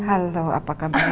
halo apakah berhati